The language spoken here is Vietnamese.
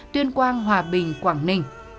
tuyên quang hòa bình quảng ninh